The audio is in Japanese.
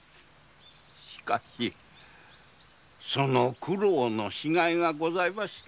しかしその苦労のしがいがございました。